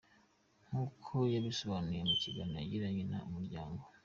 Nk’uko yabisobanuye mu kiganiro yagiranye na Umuryango.